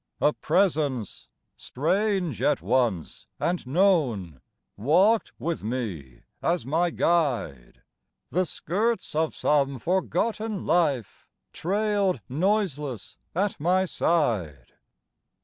A presence, strange at once and known, Walked with me as my guide; The skirts of some forgotten life Trailed noiseless at my side.